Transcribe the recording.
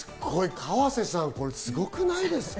河瀬さん、すごくないですか？